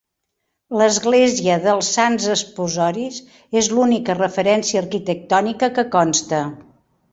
L'Església dels Sants Esposoris és l'única referència arquitectònica que consta.